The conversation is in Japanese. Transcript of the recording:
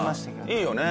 いいよね。